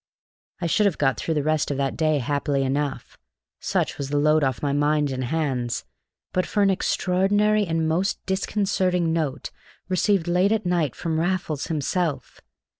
I should have got through the rest of that day happily enough, such was the load off my mind and hands, but for an extraordinary and most disconcerting note received late at night from Raffles himself.